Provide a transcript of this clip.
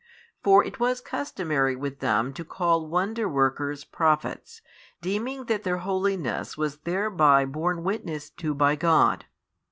For it was customary with them to call wonder workers prophets, deeming that their holiness was thereby borne witness to by God.